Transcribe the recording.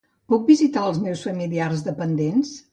Puc visitar els meus familiars dependents?